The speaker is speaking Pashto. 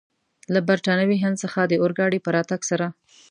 له برټانوي هند څخه د اورګاډي په راتګ سره.